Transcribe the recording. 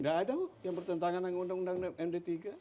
tidak ada bu yang bertentangan dengan undang undang md tiga